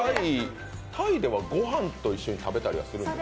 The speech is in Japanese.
タイではごはんと一緒に食べたりするんですか？